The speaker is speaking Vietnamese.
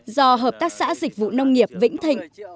do hợp tác xã dịch vụ nông nghiệp vĩnh thịnh